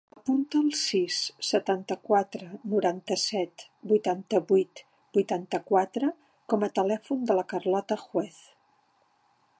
Apunta el sis, setanta-quatre, noranta-set, vuitanta-vuit, vuitanta-quatre com a telèfon de la Carlota Juez.